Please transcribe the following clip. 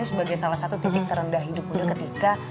sebagai salah satu titik terendah hidup muda ketika